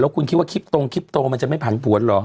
แล้วคุณคิดว่าคิปโตมันจะไม่ผันผวนเหรอ